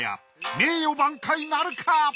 名誉挽回なるか？